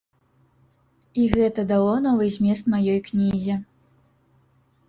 І гэта дало новы змест маёй кнізе.